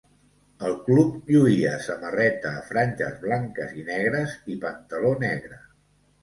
El club lluïa samarreta a franges blanques i negres i pantaló negre.